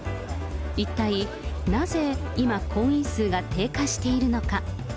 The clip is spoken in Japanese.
一体なぜ今、婚姻数が低下しているのか。